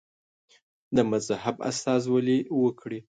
د مذهب استازولي وکړي.